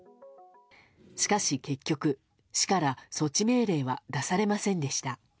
しかし結局、市から措置命令は出されませんでした。